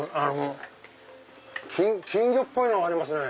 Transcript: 金魚っぽいのがありますね。